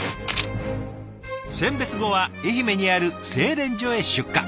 選別後は愛媛にある製錬所へ出荷。